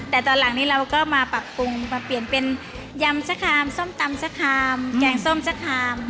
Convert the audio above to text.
แต่ตอนหลังนี้เราก็มาปรับปรุงมาเปลี่ยนเป็นยำสะคามส้มตำสะคามแกงส้มสะคาม